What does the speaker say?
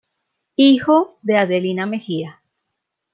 Hijo de Adelina Mejía.